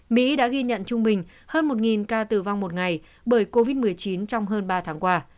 mỹ đã ghi nhận trung bình hơn một ca tử vong một ngày bởi covid một mươi chín trong hơn ba tháng qua